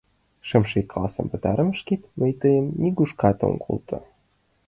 Шымше классым пытарымешкет мый тыйым нигушкат ом колто.